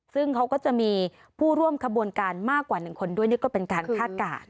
ซึ่งเขาก็จะมีผู้ร่วมขบวนการมากกว่า๑คนด้วยนี่ก็เป็นการคาดการณ์